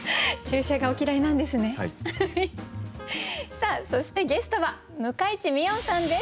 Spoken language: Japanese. さあそしてゲストは向井地美音さんです。